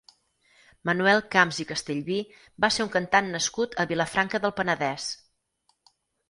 Manuel Camps i Castellví va ser un cantant nascut a Vilafranca del Penedès.